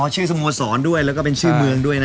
ชื่อสโมสรด้วยแล้วก็เป็นชื่อเมืองด้วยนะ